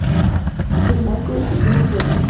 Del vasco iturri "fuente".